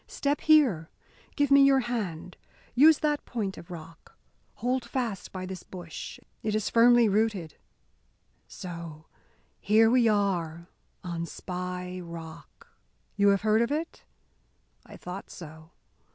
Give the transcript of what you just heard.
Step here! Give me your hand use that point of rock hold fast by this bush; it is firmly rooted so! Here we are on Spy Rock! You have heard of it? I thought so.